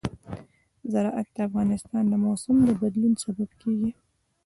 زراعت د افغانستان د موسم د بدلون سبب کېږي.